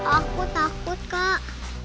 aku takut kak